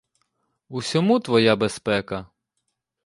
У сьому твоя безпека.